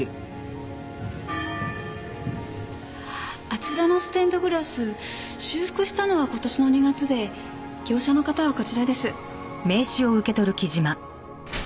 あちらのステンドグラス修復したのは今年の２月で業者の方はこちらです。